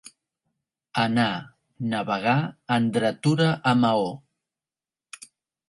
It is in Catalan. Anar, navegar, en dretura a Maó.